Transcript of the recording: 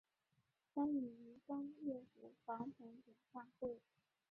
参与民风乐府访美演唱会。